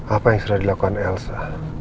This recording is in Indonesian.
apa yang sudah dilakukan elsa